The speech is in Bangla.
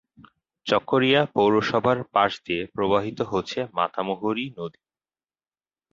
চকরিয়া পৌরসভার পাশ দিয়ে প্রবাহিত হচ্ছে মাতামুহুরী নদী।